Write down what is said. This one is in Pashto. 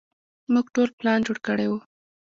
موږ ټول پلان جوړ کړى و.